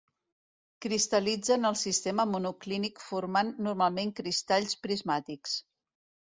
Cristal·litza en el sistema monoclínic formant normalment cristalls prismàtics.